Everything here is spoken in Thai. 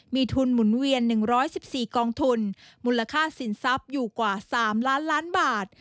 มีทุนหมุนเวียน๑๑๔กองทุนมูลค่าสินทรัพย์อยู่กว่า๓ล้านล้านบาท